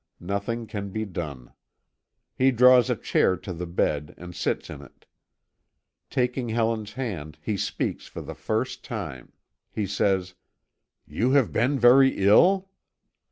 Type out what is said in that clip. Nothing can be done. He draws a chair to the bed and sits in it. Taking Helen's hand he speaks for the first time; he says: "You have been very ill?"